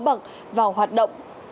sáu bậc vào hoạt động